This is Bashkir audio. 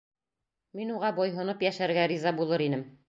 Мин уға бойһоноп йәшәргә риза булыр инем.